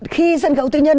khi sân khấu tư nhân